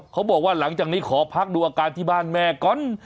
เขาบอกว่าหลังจากนี้ขอพักดูอาการที่บ้านแม่ก่อน